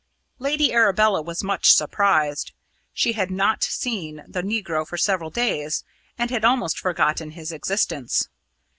Lady Arabella was much surprised. She had not seen the negro for several days, and had almost forgotten his existence.